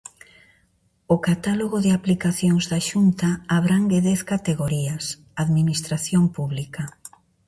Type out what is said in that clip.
O catálogo de aplicacións da Xunta abrangue dez categorías: Administración pública.